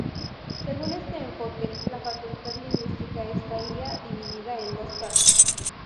Según este enfoque, la facultad lingüística estaría dividida en dos partes.